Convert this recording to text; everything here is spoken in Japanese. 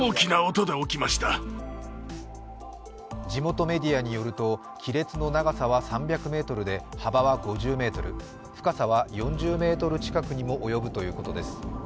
地元メディアによると亀裂の長さは３００ｍで、幅は５０ｍ深さは４０ｍ近くにも及ぶということです。